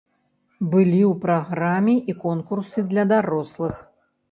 Былі ў праграме і конкурсы для дарослых.